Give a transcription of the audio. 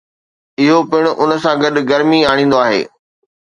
اهو پڻ ان سان گڏ گرمي آڻيندو آهي